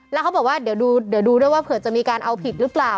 แล้วเขาบอกว่าเดี๋ยวดูด้วยว่าเผื่อจะมีการเอาผิดหรือเปล่า